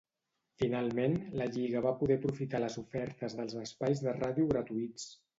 Finalment, la Lliga va poder aprofitar les ofertes dels espais de ràdio gratuïts.